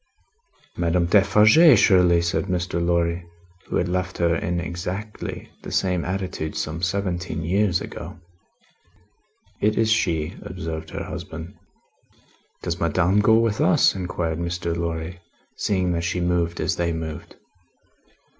"Madame Defarge, surely!" said Mr. Lorry, who had left her in exactly the same attitude some seventeen years ago. "It is she," observed her husband. "Does Madame go with us?" inquired Mr. Lorry, seeing that she moved as they moved.